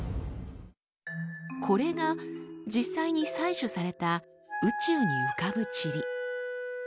これが実際に採取された宇宙に浮かぶチリ。